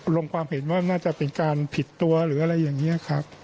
ลงความเห็นว่าน่าจะเป็นการผิดตัวหรืออะไรอย่างนี้ครับ